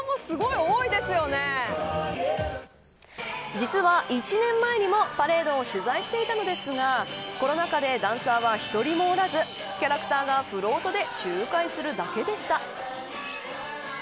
実は、１年前にもパレードを取材していたのですがコロナ禍でダンサーは１人もおらずキャラクターがフロートで周回するだけでした。